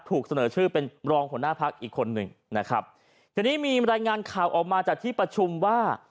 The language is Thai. ถูกเสนอชื่อเป็นรองหัวหน้าพักอีกคนหนึ่งนะครับทีนี้มีรายงานข่าวออกมาจากที่ประชุมว่า